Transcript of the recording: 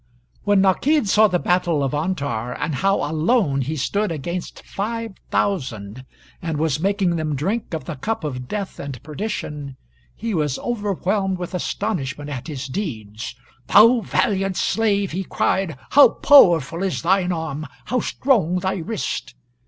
] When Nakid saw the battle of Antar, and how alone he stood against five thousand, and was making them drink of the cup of death and perdition, he was overwhelmed with astonishment at his deeds. "Thou valiant slave," he cried, "how powerful is thine arm how strong thy wrist!"